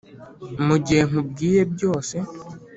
mugihe nkubwiye byose